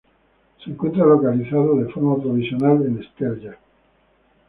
Se encuentra localizado de forma provisional en Estella.